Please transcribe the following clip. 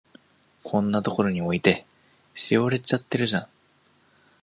こんなとこに置いて、しおれちゃってるじゃん。